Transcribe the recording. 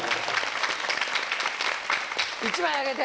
１枚あげて。